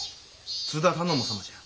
津田頼母様じゃ。